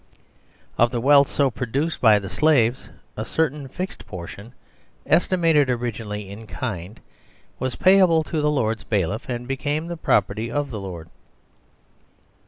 Of the wealth so produced by the Slaves, a certain fixed portion (estimated originally in kind) was pay able to the Lord's Bailiff, and became the property of the Lord.